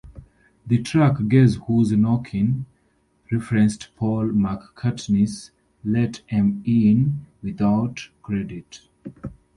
The track "Guess Who's Knockin'" referenced Paul McCartney's "Let 'Em In" without credit.